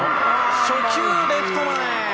初球、レフト前。